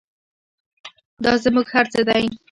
دا زموږ هر څه دی